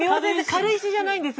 軽石じゃないんです